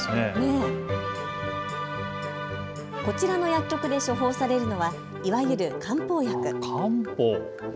こちらの薬局で処方されるのはいわゆる漢方薬。